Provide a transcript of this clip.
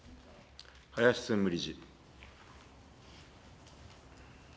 林専務理事。